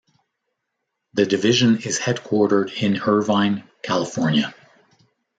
The division is headquartered in Irvine, California.